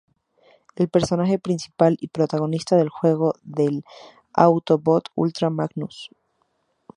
El personaje principal y protagonista del juego es el Autobot Ultra Magnus.